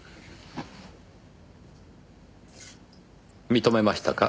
認めましたか？